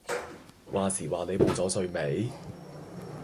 話時話你報咗稅未